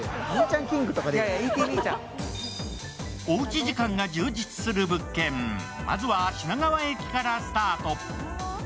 おうち時間が充実する物件、まずは品川駅からスタート。